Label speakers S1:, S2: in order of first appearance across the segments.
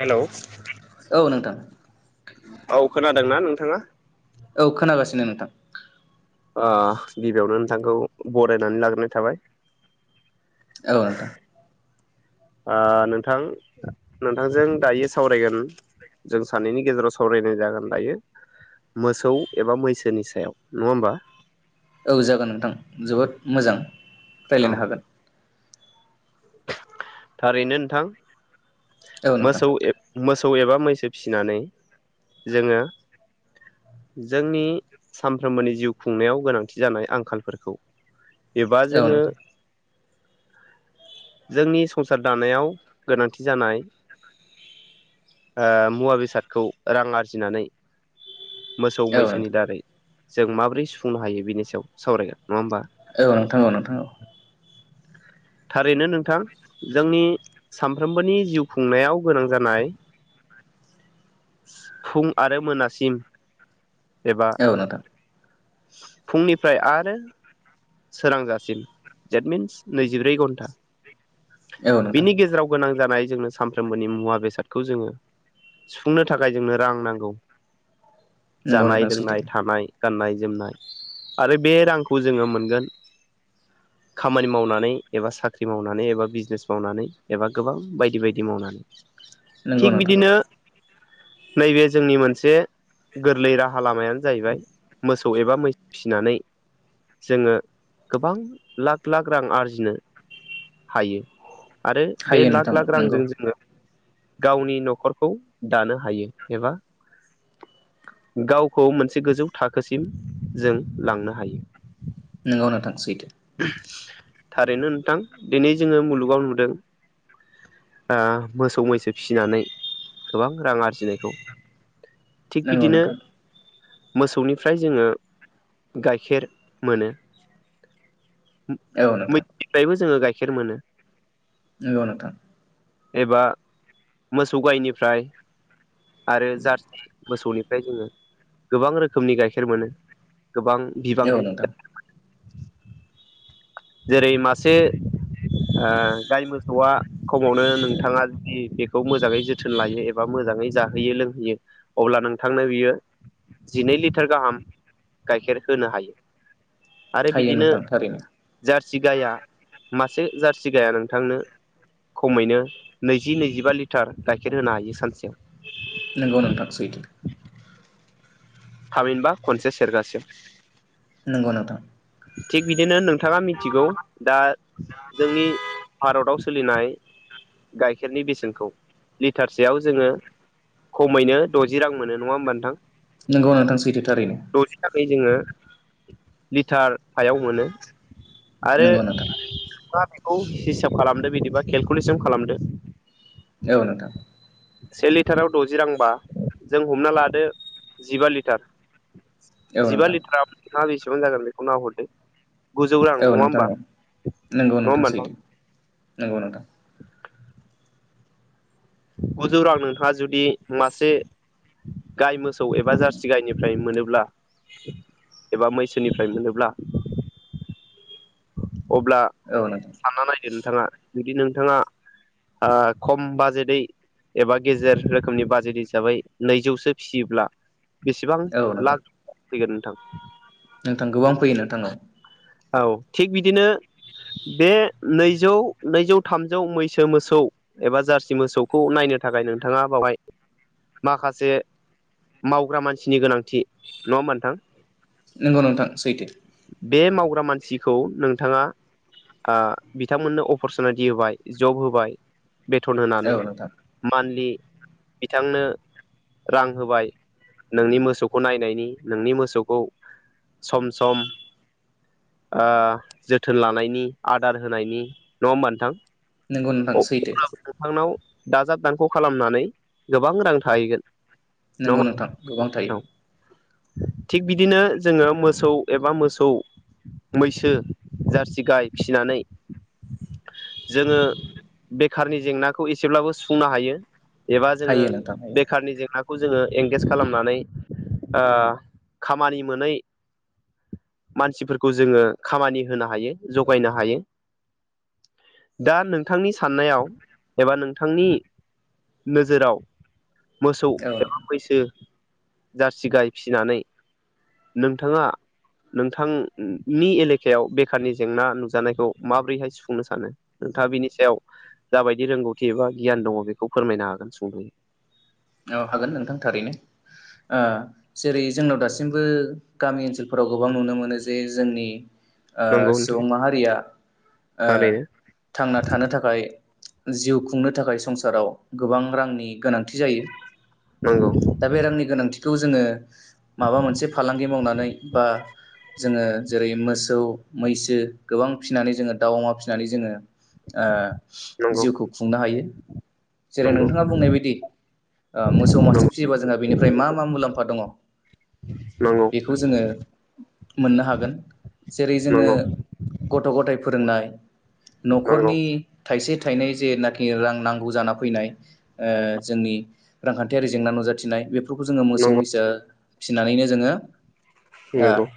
S1: हेल'।
S2: औ नोंथां।
S1: औ खोनादोंना नोंथाङा?
S2: औ खोनागासिनो नोंथां।
S1: ओ गिबियावनो नोंथांखौ बरायनानै लाग्रोनाय थाबाय।
S2: औ नोंथां।
S1: ओ नोंथां नोंथांजों दायो सावरायगोन जों सानैनि गेजेराव सावरायनाय जागोन दायो मोसौ एबा मैसोनि सायाव नङा होमबा?
S2: औ जागोन नोंथां जोबोद मोजां।
S1: औ
S2: रायज्लायनो हागोन।
S1: थारैनो नोंथां।
S2: औ नोंथां
S1: मोसौ ए मोसौ। मोसौ एबा मैसो फिसिनानै जोङो जोंनि सानफ्रोमबोनि जिउ खुंनायाव गोनांथि जानाय आंखालफोरखौ एबा
S2: औ
S1: जोङो
S2: नोंथां
S1: जोंनि। संसार दानायाव गोनांथि जानाय ओ मुवा बेसादखौ रां आरजिनानै मोसौ
S2: औ
S1: मैसोनि
S2: नोंथां
S1: दारै जों माबोरै सुफुंनो हायो बिनि सायाव सावरायगोन। नङा होमबा
S2: औ नोंथां औ नोंथां औ।
S1: थारैनो नोंथां। जोंनि सानफ्रोमबोनि जिउ खुंनायाव गोनां जानाय फुं आरो मोनासिम।
S2: औ नोंथां।
S1: फुंनि ओमफ्राय आरो सोरांजासिम। देट मिन्स नैजिब्रै घन्टा।
S2: औ नोंथां
S1: बिनि गेजेराव गोनां जानाय जोंनो सानफ्रामबोनि मुवा बेसादखौ जोङो सुफुंनो थाखाय जोंनो रां नांगौ।
S2: नंगौ
S1: जानाय
S2: नोंथां सैथो
S1: लोंनाय थानाय गाननाय जोमनाय आरो बे रांखौ जोङो मोन गोन खामानि मावनानै एबा साख्रि मावनानै एबा बिजनेस मावनानै एबा गोबां बायदि बायदि मावनानै।
S2: नंगौ
S1: थिक
S2: नोंथां
S1: बिदिनो नैबे जोंनि मोनसे गोरलै राहा लामायानो जाहैबाय मोसौ एबा मैसो फिसिनानै जोङो गोबां लाख लाख रां आरजिनो हायो। आरो बे
S2: हायो
S1: लाख
S2: नोंथां
S1: लाख
S2: नंगौ
S1: रांजों जोङो गावनि न'खरखौ दानो हायो एबा गावखौ मोनसे गोजौ थाखोसिम जों लांनो हायो।
S2: नोंगौ नोंथां सैथो।
S1: थारैनो नोंथां दिनै जोङो मुलुगाव नुदों ओ मोसौ मैसो फिसिनानै गोबां रां आरजिनायखौ। थिग
S2: नंगौ
S1: बिदिनो
S2: नोंथां
S1: मोसौनिफ्राय जोङो गाइखेर मोनो।
S2: औ नोंथां
S1: मैद निफ्रायबो जोङो गाइ खेर मोनो।
S2: नंगौ नोंथां।
S1: एबा मोसौ गायनिफ्राय आरो जार्सि मोसौनिफ्राय जोङो गोबां रोखोमनि गाइखेर मोनो। गोबां
S2: औ
S1: बिबांनि
S2: नोंथां
S1: [unintelligible] [inaudible] जेरै मासे ओ गाइ मोसौआ खमावनो नोंथाङा जुदि बेखौ मोजाङै जोथोन लायो एबा मोजाङै जाहोयो लोंहोयो अब्ला नोंथांनो बियो जिनै लिटार गाहाम गाइखेर होनो हायो।
S2: हायो नोंथां थारैनो।
S1: जार्सि गाया मासे जारसि गाया नोंथांनो खमैनो नैजि नैजिबा लिटार गाइखेर होनो हायो सानसेयाव।
S2: नोंगौ नोंथां सैथो।
S1: थामिनबा खनसे सेरगासेयाव।
S2: नोंगौ नोंथां।
S1: थिग बिदिनो नों थाङा मिथिगौ दा जोंनि भारताव सोलिनाय गाइखेरनि बेसेनखौ लिटारसेयाव जोङो खमैनो द'जि रां मोनो नङा होमबा नोंथां?
S2: नोंगौ नोंथां सैथो थारैनो।
S1: द'जि राङै जोङो लिटार फायाव मोनो आरो
S2: नंगौ नोंथां
S1: [unintelligible] खौ हिसाब खालामदो बिदिबा केलकुलेसन खालामदो?
S2: औ नोंथां
S1: से लिटाराव द'जि रांबा जों हमना लादो? जिबा लिटार
S2: औ
S1: जिबा
S2: नोंथां
S1: लिथाराव नोंथाङा बेसे [unintelligible] बेखौनो हरदो गुजौ रां
S2: औ
S1: नङा
S2: नोंथां
S1: होमबा
S2: औ
S1: नङा होमबा नोंथां?
S2: नोंगौ नोंथां
S1: गुजौ रां नोंथाङा जुदि मासे गाय मोसौ एबा जारसि गायनिफ्राय मोनोब्ला [inaudible] एबा मैसोनिफ्राय मोनोब्ला [inaudible] अब्ला
S2: औ नोंथां
S1: सानना नायदो नोंथाङा? जुदि नोंथाङा ओ खम बाजेटै एबा गेजेर रोखोमनि बाजेट हिसाबै नैजौसो फिसियोब्ला बेसेबां
S2: औ नोंथां
S1: लाख [unintelligible] नोंथां
S2: नोंथां गोबां नोंथांनाव
S1: औ थिग बिदिनो बे नैजौ नैजौ थामजौ मैसो मोसौ एबा जारसि मोसौखौ नायनो थाखाय नोंथाङा बावहाय माखासे मावग्रा मानसिनि गोनांथि नङा होमा नोंथां
S2: नंगौ नोंथां सैथो
S1: बे मावग्रा मानसिखौ नोंथाङा ओ बिथांमोननो अपरसुनिटि होबाय जब होबाय बेथन होनानै
S2: औ नोंथां
S1: मान्थलि बिथांनो रां होबाय नोंनि मोसौखौ नायनायनि नोंनि मोसौखौ सम सम सम ओ जोथोन लानायनि आदार होनायनि नङा होमबा नोंथां
S2: नंगौ नोंथां सैथो
S1: अब्लाबो नोंथांनाव दाजाब दानख' खालामनानै गोबां रां थाहैगोन नङा
S2: नंगौ
S1: होमबा
S2: नोंथां गोबां थायो
S1: नोंथां थिग बिदिनो जोङो मोसौ एबा मोसौ मैसो जारसि गाय फिसिनानै जोङो बेखारनि जेंनाखौ एसेब्लाबो सुफुंनो हायो एबा जोङो
S2: हायो नोंथां हायो
S1: बेखारनि जेंना खौ जोङो एंगेज खालामनानै ओ खामानि मोनै मानसिफोरखौ जोङो खामानि होनो हायो जगायनो हायो दा नोंथांनि साननायाव एबा नोंथांनि नोजोराव मोसौ
S2: औ
S1: एबा मैसो जारसि गाय फिसिनानै नोंथाङा नोंथांनि एलेकायाव बेखारनि जेंना नुजानायखौ माबोरैहाय सुफुंनो सानो नोंथाङा बिनि सायाव जाबायदि रोंगौथि एबा गियान दङ बेखौ फोरमायनो हागोन सुंद'यै
S2: औ हागोन नोंथां थारैनो ओ जेरै जोंनाव दासिमबो गामि ओनसोलफोराव गोबां नुनो मोनो जे जोंनि ओ
S1: नंगौ नोंथां
S2: सुबुं माहारिया ओ
S1: थारैनो
S2: थांना थानो थाखाय जिउ खुंनो थाखाय संसाराव गोबां रांनि गोनांथि जायो
S1: नंगौ
S2: दा बेरामनि गोनांथि बेखौ जोङो माबा मोनसे फालांगि मावनानै बा जोङो जेरै मोसौ मैसो गोबां फिसिनानै जोङो दाउ अमा फिसिनानै जोङो ओ
S1: नंगौ
S2: जिउखौ खुंनो हायो जेरै
S1: नंगौ
S2: नोंथाङा बुंनाय बायदि मोसौ मासे
S1: नंगौ
S2: फिसियोबा जोंहा बेनिफ्राय मा मा मुलाम्फा दङ
S1: नंगौ
S2: बेखौ जोङो मोननो हागोन जेरै जोङो
S1: नंगौ नंगौ
S2: गथ' गथाय फोरोंनाय
S1: नंगौ
S2: न'खरनि थाइसे थायनै जेनाखि रां नांगौ जाना फैनाय ओ जोंनि रांखान्थियारि जेंना नुजाथिनाय बेफोर बेफोरखौ जोङो मोसौ मैसो फिसिनानैनो जोङो ओ
S1: नंगौ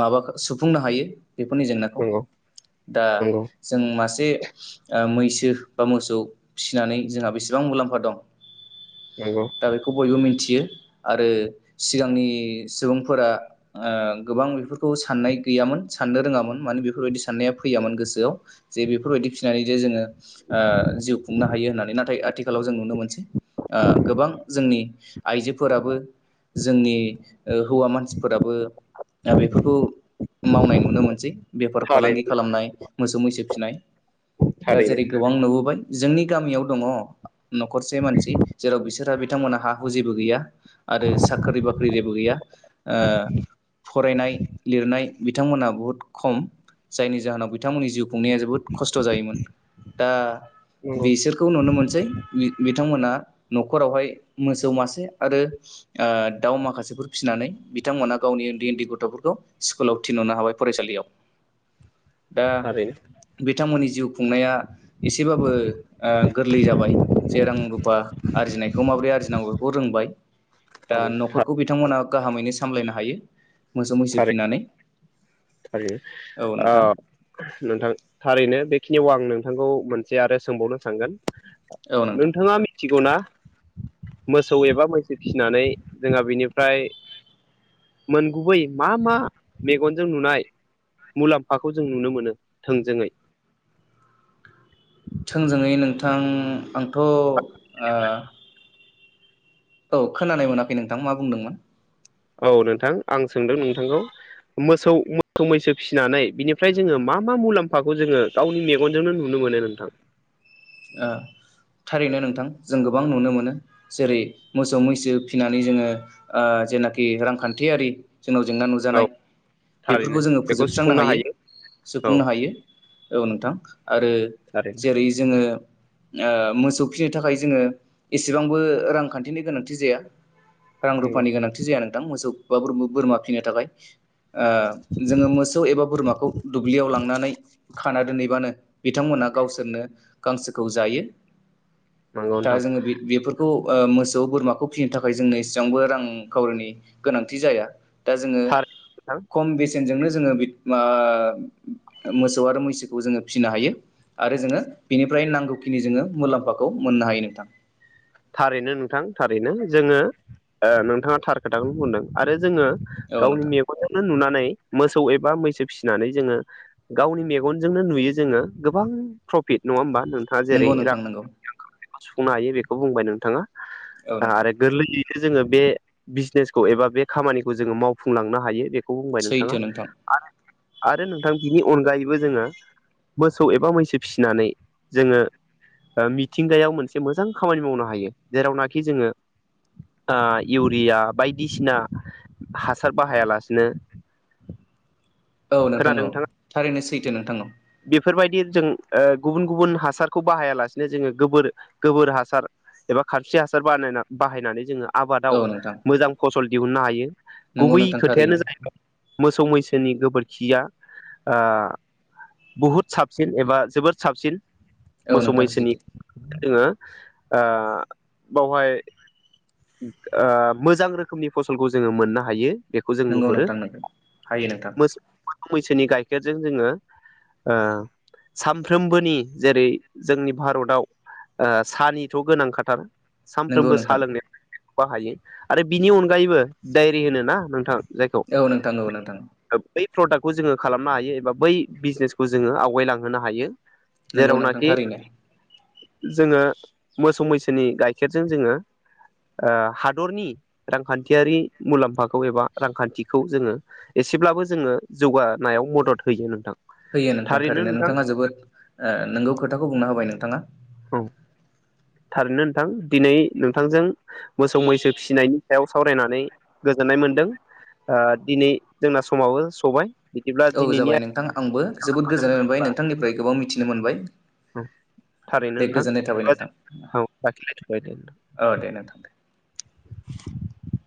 S2: माबा सुफुंनो हायो बेफोरनि जेंनाखौ
S1: नंगौ
S2: दा
S1: नंगौ
S2: जों मासे ओ मैस सो बा मोसौ फिसिनानै जोंहा बेसेबां मुलाम्फा दं
S1: नंगौ
S2: दा बेखौ बयबो मिन्थि मिथियो आरो सिगांनि सुबुंफोरा ओ गोबां बेफोरखौ साननाय गैयामोन साननो रोङामोन मानो बेफोरबायदि साननाया फैयामोन गोसोआव जे बेफोरबायदि फिनानै जे जोङो ओ जिउ खुंनो हायो होननानै नाथाय आथिखालाव जों नुनो मोनसै। ओ गोबां जोंनि आइजोफोराबो जोंनि ओ हौवा मानसिफोराबो बेफोरखौ मावनाय नुनो मोनसै बेफार फालांगि
S1: थारैनो
S2: खालामनाय मोसौ मैसो फिनाय दा
S1: थारैनो
S2: जेरै गोबां नुबोबाय जोंनि गामियाव दङ न'खरसे मानसि बिसोरहा बिथांमोनहा हा हु जेबो गैया आरो साख्रि बाख्रि जेबो गैया ओ फरायनाय लिरनाय बिथांमोना बुहुद खम जायनि जाहोनाव बिथांमोननि जिउ खुंनाया जोबोद खस्थ' जायोमोन। दा
S1: नंगौ
S2: बिसोरखौ नुनो मोनसै बिथांमोना न'खरावहाय मोसौ मासे आरो ओ दाउ माखासेफोर फिसिनानै बिथांमोनहा गावनि उन्दै उन्दै गथ'फोरखौ स्कुलाव थिनहरनो हाबाय फरायसालियाव। दा
S1: आरो
S2: बिथांमोननि जिउ खुंनाया एसेबाबो ओ गोरलै जाबाय जे रां रुफा। आरजिनायखौ माबोरै आरजिनांगौ बेखौ रोंबाय दा
S1: थारैनो
S2: न'खरखौ बिथांमोना गाहामैनो सामलायनो हायो। मोसौ मैसो फिनानै
S1: थारै
S2: औ
S1: ओ
S2: नोंथां
S1: नोंथां थारैनो बेखिनियाव आं नों नोंथांखौ मोनसे आरो सोंबावनो सानांगोन
S2: औ नोंथां
S1: नोंथाङा मिथिगौ ना मोसौ एबा मैसो फिसिनानै जोंहा बेनिफ्राय मोनगुबै मा मा मेगनजों जों नुनाय मुलाम्फाखौ जों नुनो मोनो थोंजोङै?
S2: थोंजोङै नोंथां आं थ' आ औ खोनानाय मोनाखै नोंथां मा बुंदोंमोन
S1: औ नोंथां आं सोंदों नोंथांखौ मोसौ मोसौ मैसो फिसिनानै बिनिफ्राय जोङो मा मा मुलाम्फाखौ जोङो गावनि मेगनजोंनो नुनो मोनो नोंथां?
S2: ओ थारैनो नोंथां जों गोबां नुनो मोनो जेरै मोसौ मैसो फिनानै जोङो ओ जेनाखि रांखान्थियारि जोंनाव जेंना
S1: औ
S2: नुजानाय बेफोरखौ
S1: थारैनो
S2: जोङो
S1: बेखौ
S2: फोजोबस्रांनो
S1: सुफुंनो
S2: हायो
S1: औ
S2: सुफुंनो हायो औ नोंथां। आरो
S1: थारैनो
S2: जेरै जोङो ओ मोसौ फिसिनो थाखाय जोङो एसेबांबो रां
S1: नंगौ
S2: रुफानि गोनांथि जाया नोंथां मोसौ बा बुर बोरमा फिनो थाखाय अ जोङो मोसौ एबा बोरमाखौ दुब्लियाव लांनानै खाना दोनहैबानो बिथांमोना गावसोरनो गांसोखौ जायो
S1: नंगौ
S2: दा
S1: नोंथां
S2: जोङो बे बेफोरखौ अ मोसौ बोरमाखौ फिनो थाखाय जोंनो इसेबांबो रांखावरिनि गोनांथि जाया दा जोङो
S1: थारैनो नोंथां
S2: खम बेसे बेजों नो जोंङो बि आ मोसौ आरो मैसोखौ जोंङो फिनो हायो आरो जोंङो बेनिफ्राय नांगौखिनि जोंङो मुलाम्फाखौ मोननो हायो नोंथां
S1: थारैनो नोंथां थारैनो जोंङो नोंथाङा थार खोथाखौनो बुंदों आरो जोंङो
S2: औ
S1: गावनि
S2: नोंथां
S1: मेगनजोंनो नुनानै मोसौ एबा मैसो फिसिनानै जोंङो गावनि मेगनजोंनो नुयो जोंङो गोबां प्रफिट नङा होमबा नोंथाङा जेरै
S2: नंगौ
S1: र
S2: नोंथां नंगौ
S1: सुफुंनो हायोबे खौ बुंबाय नोंथांङा
S2: औ नोंथां
S1: आरो गोरलैलि जोंङो बे बिजनेसखौ एबा बे खामानिखौ जोंङो मावफुंलांनो हायो बे खौ बुंबाय नोंथांङा
S2: सैथो नोंथां
S1: आरो आरो नोंथां बिनि अनगायैबो जोंङो मोसौ एबा मैसो फिसिनानै जोंङो मिथिंगायाव मोनसे मोजां खामानि मावनो हायो जेरावनाखि जोंङो इउरिया बायदिसिना हासार बाहायालासिनो
S2: औ नोंथां
S1: खोनादों
S2: औ
S1: नोंथाङा
S2: थारैनो सै फिन नोंथां नाव
S1: बेफोरबायदि जों गुबुन गुबुन हासारखौ बाहायालासिनो जोंङो गोबोर गोबोर हासार एबा खानस्रि हासार बानायना बाहायनानै जोंङो आबादाव
S2: औ नोंथां
S1: मोजां फसल दिहुननो हायो
S2: नंगौ
S1: गुबै
S2: नोंथां
S1: खोथायानो
S2: थारैनो
S1: जाहैबाय मोसौ मैसोनि गोबोरखिया अ बुहुत साबसिन एबा जोबोद साबसिन
S2: औ
S1: मोसौ
S2: नोंथां
S1: मैसोनि
S2: सैथो
S1: जोंङो बावहाय अ मोजां रोखोमनि फसलखौ जोंङो मोननो हायो बेखौ जों
S2: नंगौ
S1: नुहुरो
S2: नोंथां नंगौ हायो नोंथां
S1: मो मैसोनि गाइखेरजों जोंङो सामफ्रोमबोनि जेरै जोंनि भारताव अ सानिथ' गोनां खाथार
S2: नंगौ
S1: सानफ्रोमबो
S2: नोंथां
S1: साह लोंनाय हायो आरो बिनि अनगायैबो डायरि होनो ना नोंथां। जायखौ
S2: औ नोंथां औ नोंथां।
S1: बै प्रडाक्टखौ जोङो खालामनो हायो एबा बै बिजनेसखौ जोङो आवगायलांहोनो हायो।
S2: नंगौ नोंथां
S1: जेरावनाखि
S2: थारैनो।
S1: जोङो मोसौ मैसोनि गाइखेरजों जोङो। ओ हादरनि रांखान्थियारि मुलाम्फाखौ एबा रांखान्थिखौ जोङो एसेब्लाबो जोङो जौगानायाव मदद होयो नोंथां।
S2: होयो नोंथां थारैनो नोंथाङा जोबोद नोंगौ खोथाखौ बुंना होबाय नोंथाङा।
S1: औ थारैनो नोंथां दिनै नोंथांजों मोसौ मैसो फिसिनायनि सायाव सावरायनानै गोजोननाय मोनदों दिनै जोंना समाबो सबाय। बिदिब्ला
S2: औ
S1: दिनैनि
S2: जाबाय
S1: आयदाखौ
S2: नोंथां आंबो
S1: एसेयावनो
S2: जोबोद गोजोननाय मोनबाय नोंथांनिफ्राय गोबां मिथि मिथिनो मोनबाय।
S1: औ थारैनो
S2: दे
S1: नोंथां
S2: गोजोननाय थाबाय नोंथां
S1: औाखिथबाय दे नोंथां
S2: औ दे नोंथां दे
S1: [inaudible]